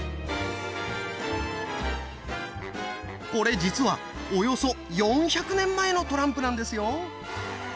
これ実はおよそ４００年前のトランプなんですよ。